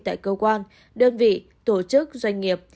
tại cơ quan đơn vị tổ chức doanh nghiệp